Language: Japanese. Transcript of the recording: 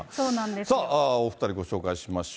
さあ、お２人、ご紹介しまし